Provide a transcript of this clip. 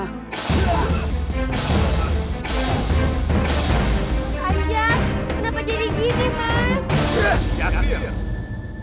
ayo kenapa jadi gini mas